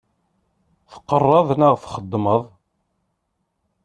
Tqerraḍ neɣ txeddmeḍ?